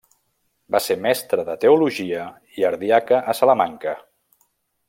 Va ser mestre de teologia i ardiaca a Salamanca.